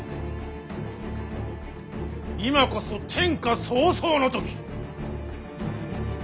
今こそ天下草創の時。